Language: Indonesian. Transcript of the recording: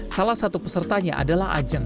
salah satu pesertanya adalah ajang